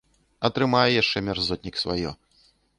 Атрымае яшчэ мярзотнік сваё.